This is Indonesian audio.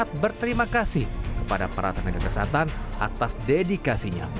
terima kasih kepada para tenaga kesehatan atas dedikasinya